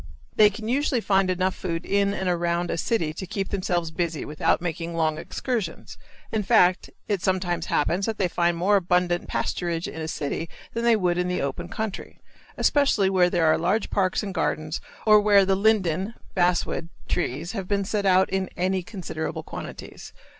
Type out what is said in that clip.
They can usually find enough food in and around a city to keep themselves busy without making long excursions; in fact, it sometimes happens that they find more abundant pasturage in a city than they would in the open country, especially where there are large parks and gardens or where the linden (basswood) trees have been set out in any considerable quantities.